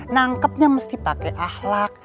nangkepnya mesti pake ahlak